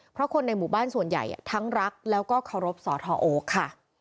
เพราะคนในหมู่บ้านส่วนใหญ่ทั้งรักแล้วก็เคารพสทโอ๊คค่ะ